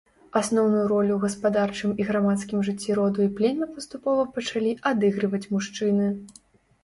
Асноўную ролю ў гаспадарчым і грамадскім жыцці роду і племя паступова пачалі адыгрываць мужчыны.